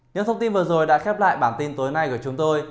những thông tin vừa rồi đã khép lại bản tin tối nay của chúng tôi